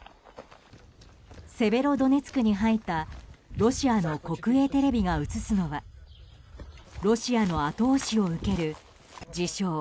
セベロドネツクに入ったロシアの国営テレビが映すのはロシアの後押しを受ける自称